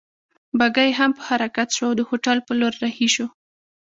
بګۍ هم په حرکت شوه او د هوټل په لور رهي شوو.